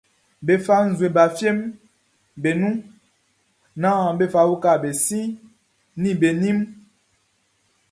Be fa nzue ba fieʼm be nun naan be fa uka be si ni be ni mun.